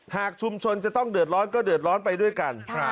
หากชุมชนจะต้องเดือดร้อนก็เดือดร้อนไปด้วยกัน